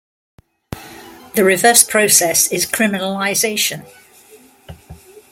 The reverse process is criminalization.